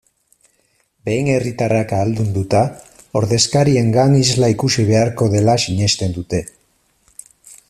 Behin herritarrak ahaldunduta, ordezkariengan isla ikusi beharko dela sinesten dute.